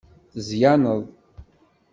Tezyaneḍ.